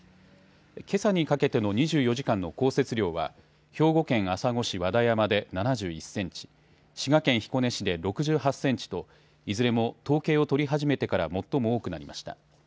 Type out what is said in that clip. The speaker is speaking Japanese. けさにかけての２４時間の降雪量は、兵庫県朝来市和田山で７１センチ、滋賀県彦根市で６８センチと、いずれも統計を取り始めてから最も多くなりました。